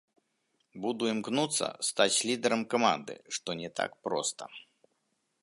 Буду імкнуцца стаць лідарам каманды, што не так проста.